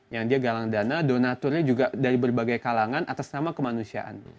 yang dia galang dana donaturnya juga dari berbagai kalangan atas nama kemanusiaan